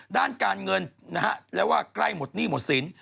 ด้านการเงินนะฮะแล้วว่าใกล้หมดหนี้หมดสิน